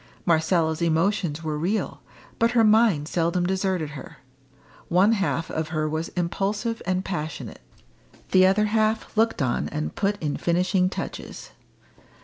Marcella's emotions were real, but her mind seldom deserted her. One half of her was impulsive and passionate; the other half looked on and put in finishing touches.